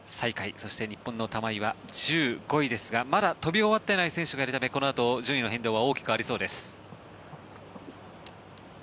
そして日本の玉井は１５位ですがまだ飛び終わっていない選手がいるためこのあと順位の変動は大きくありそうです。